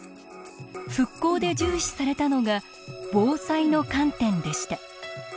復興で重視されたのが防災の観点でした。